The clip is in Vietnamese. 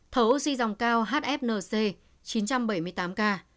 thầu oxy dòng cao hfnc chín trăm bảy mươi tám ca